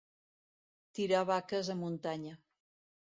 Tirar vaques a muntanya.